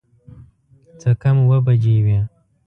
څه کم اووه بجې وې.